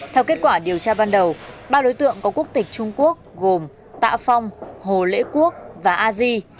theo kết quả điều tra ban đầu ba đối tượng có quốc tịch trung quốc gồm tạ phong hồ lễ quốc và a di